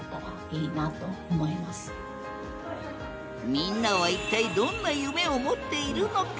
みんなは一体どんな夢を持っているのか？